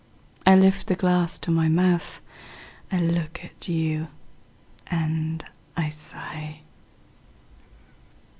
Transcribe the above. I lift the glass to my mouth, I look at you, and I sigh.